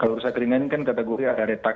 kalau rusak ringan ini kan kategori ada retak